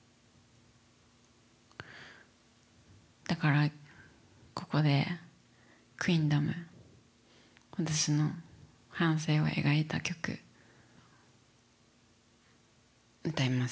だからここで「Ｑｕｅｅｎｄｏｍ」私の半生を描いた曲歌います。